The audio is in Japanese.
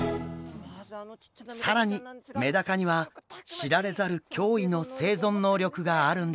更にメダカには知られざる驚異の生存能力があるんです。